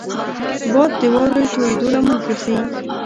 باد د واورې تویېدو لامل ګرځي